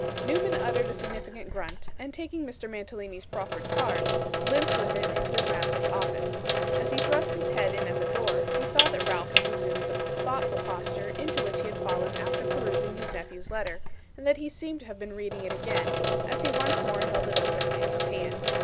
Newman uttered a significant grunt, and taking Mr. Mantalini's proffered card, limped with it into his master's office. As he thrust his head in at the door, he saw that Ralph had resumed the thoughtful posture into which he had fallen after perusing his nephew's letter, and that he seemed to have been reading it again, as he once more held it open in his hand.